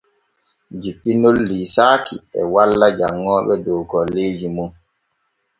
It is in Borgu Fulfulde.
Jippinol liisaaki e walla janŋooɓe dow golleeji mum.